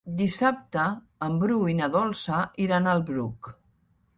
Dissabte en Bru i na Dolça iran al Bruc.